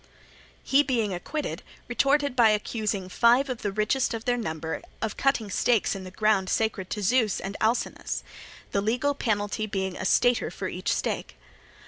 He, being acquitted, retorted by accusing five of the richest of their number of cutting stakes in the ground sacred to Zeus and Alcinous; the legal penalty being a stater for each stake.